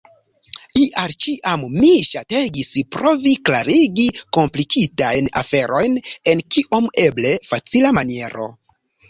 Ial ĉiam mi ŝategis provi klarigi komplikitajn aferojn en kiom eble facila maniero.